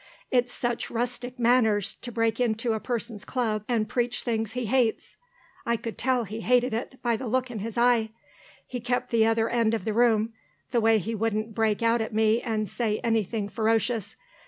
It's such rustic manners, to break into a person's Club and preach things he hates. I could tell he hated it, by the look in his eye. He kept the other end of the room, the way he wouldn't break out at me and say anything ferocious.